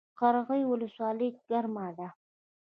قرغیو ولسوالۍ ګرمه ده؟